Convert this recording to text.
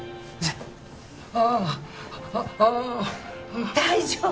ああっ大丈夫！